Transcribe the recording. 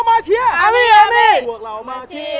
พวกเรามาเชียร์